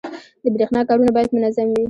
• د برېښنا کارونه باید منظم وي.